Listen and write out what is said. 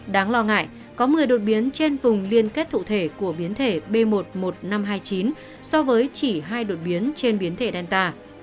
đáng lo ngại có một mươi đột biến trên vùng liên kết thụ thể của biến thể b một một năm trăm hai mươi chín so với chỉ hai đột biến trên biến thể delta